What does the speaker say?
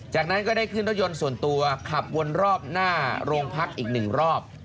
จากนั้นก็ได้ขึ้นรถยนต์ส่วนตัวขับวนรอบหน้าโรงพักอีกหนึ่งรอบ